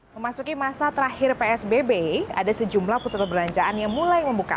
memasuki masa terakhir psbb ada sejumlah pusat perbelanjaan yang mulai membuka